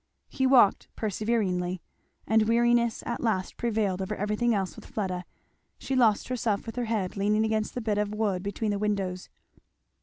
He walked perseveringly; and weariness at last prevailed over everything else with Fleda; she lost herself with her head leaning against the bit of wood between the windows.